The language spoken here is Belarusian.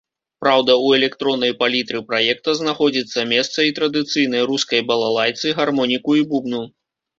Праўда, у электроннай палітры праекта знаходзіцца месца і традыцыйнай рускай балалайцы, гармоніку і бубну.